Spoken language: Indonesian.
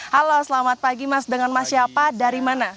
halo selamat pagi mas dengan mas siapa dari mana